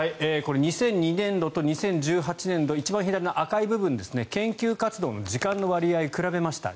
２００２年度と２０１８年度一番左の赤い部分研究活動の時間の割合を比べました。